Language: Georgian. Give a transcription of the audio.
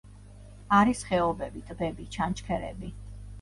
არის ხეობები, ტბები, ჩანჩქერები.